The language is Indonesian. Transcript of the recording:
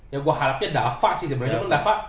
ya gue harapnya dava sih sebenernya